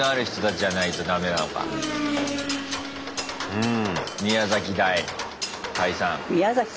うん。